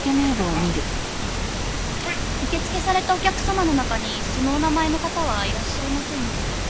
受け付けされたお客様の中にそのお名前の方はいらっしゃいませんね。